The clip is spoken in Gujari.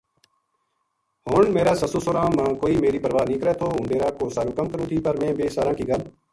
ہن میر ا سسُو سوہراں ما کوئی میری پرواہ نیہہ کرے تھو ہوں ڈیرا کو ساری کَم کروں تھی پر مھیں بے ساراں کی گل